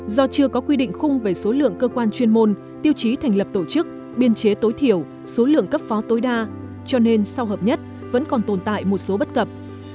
do chưa có quy định khung về số lượng cơ quan chuyên môn tiêu chí thành lập tổ chức biên chế tối thiểu số lượng cấp phó tối đa cho nên sau hợp nhất vẫn còn tồn tại một số bất cập